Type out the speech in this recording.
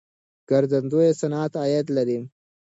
ګرځندوی صنعت عاید لري.